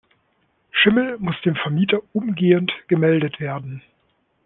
Schimmel muss dem Vermieter umgehend gemeldet werden.